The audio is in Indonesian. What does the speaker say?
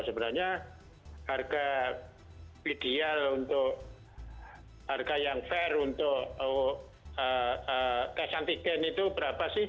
sebenarnya harga ideal untuk harga yang fair untuk tes antigen itu berapa sih